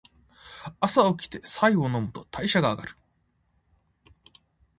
朝おきて白湯を飲むと代謝が上がる。